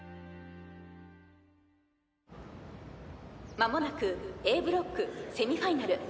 まもなくＡブロックセミファイナル。